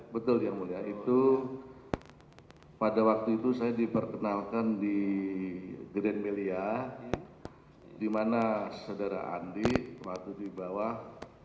betul yang mulia itu pada waktu itu saya diperkenalkan di grand melia di mana saudara andi waktu di bawah